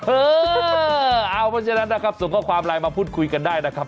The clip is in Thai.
เพราะฉะนั้นนะครับส่งข้อความไลน์มาพูดคุยกันได้นะครับ